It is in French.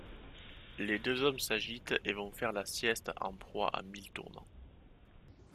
Les deux hommes s’agitent et vont faire la sieste en proie à mille tourments.